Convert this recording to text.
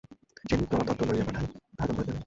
সে নিত্য আমার তত্ত্ব লইতে পাঠায়, তাহাকে আমি ভয় করি না।